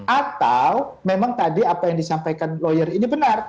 atau memang tadi apa yang disampaikan lawyer ini benar